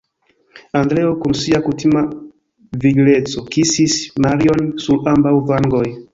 Andreo, kun sia kutima vigleco kisis Marion sur ambaŭ vangoj.